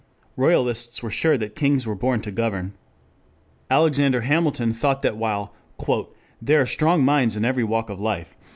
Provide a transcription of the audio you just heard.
Royalists were sure that kings were born to govern. Alexander Hamilton thought that while "there are strong minds in every walk of life...